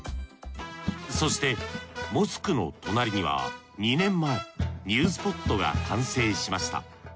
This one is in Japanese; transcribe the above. そしてモスクの隣には２年前ニュースポットが完成しました。